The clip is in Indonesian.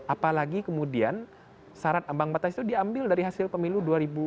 apalagi kemudian syarat ambang batas itu diambil dari hasil pemilu dua ribu sembilan belas